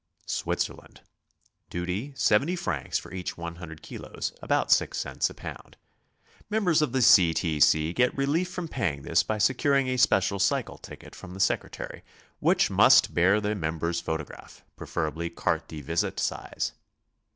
SWITZERI.AND. Duty, 70 francs for each too kilos, — about six cents a pound. Members of the C. T. C. get relief from paying this by securing a special cycle ticket from the Secretary, which must bear the member's photograph, pre ferably carte de visite sSize.